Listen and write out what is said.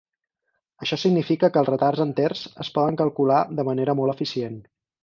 Això significa que els retards enters es poden calcular de manera molt eficient.